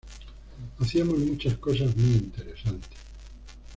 Hacíamos muchas cosas muy interesantes.